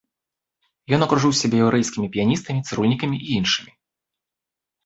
Ён акружыў сябе яўрэйскімі піяністамі, цырульнікамі і іншымі.